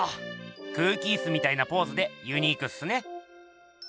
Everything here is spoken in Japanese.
空気イスみたいなポーズでユニークっすね。